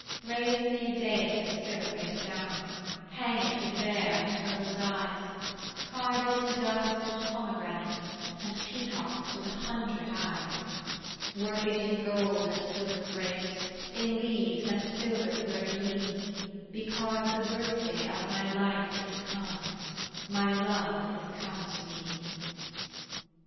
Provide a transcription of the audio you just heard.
Raise me a dais of silk and down; Hang it with vair and purple dyes; Carve it in doves and pomegranates, And peacocks with a hundred eyes; Work it in gold and silver grapes, In leaves and silver fleurs de lys; Because the birthday of my life Is come, my love is come to me.